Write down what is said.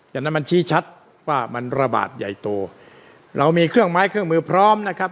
อย่างนั้นมันชี้ชัดว่ามันระบาดใหญ่โตเรามีเครื่องไม้เครื่องมือพร้อมนะครับ